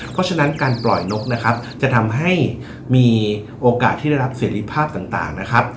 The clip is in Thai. เพราะฉะนั้นการปล่อยนกนะครับจะทำให้มีโอกาสที่ได้รับเสรีภาพต่างนะครับ